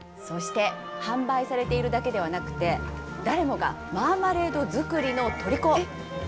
そして販売されているだけではなくて誰もがマーマレード作りのとりこ。